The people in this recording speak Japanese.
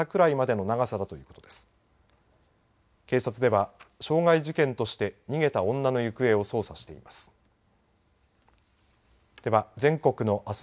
警察では傷害事件として逃げた女の行方を捜査しています。